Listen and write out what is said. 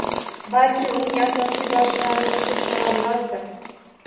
Balki uning asosiy boshqaruvchisi chavondozdir